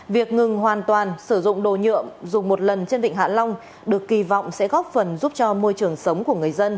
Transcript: việc ngừng hoàn toàn sử dụng đồ nhựa dùng một lần trên vịnh hạ long được kỳ vọng sẽ góp phần giúp cho môi trường sống của người dân